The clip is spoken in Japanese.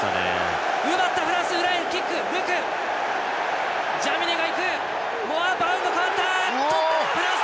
奪ったフランス。